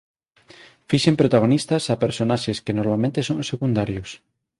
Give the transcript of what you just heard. Fixen protagonistas a personaxes que normalmente son secundarios".